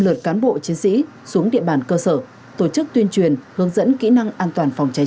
lượt cán bộ chiến sĩ xuống địa bàn cơ sở tổ chức tuyên truyền hướng dẫn kỹ năng an toàn phòng cháy